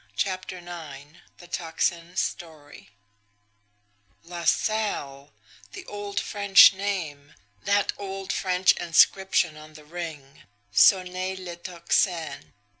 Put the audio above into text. CHAPTER IX THE TOCSIN'S STORY LaSalle! The old French name! That old French inscription on the ring: "SONNEZ LE TOCSIN!"